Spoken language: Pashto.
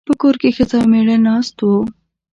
په کور کې ښځه او مېړه ناست وو.